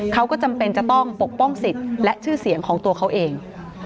จำเป็นจะต้องปกป้องสิทธิ์และชื่อเสียงของตัวเขาเอง